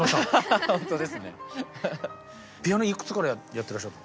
ピアノいくつからやってらっしゃるの？